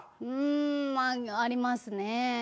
うんまあありますね。